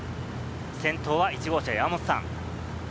先頭は１号車、山本さん。